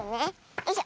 よいしょ。